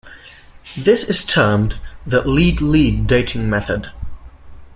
This is termed the lead-lead dating method.